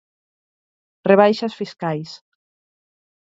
Rebaixas fiscais.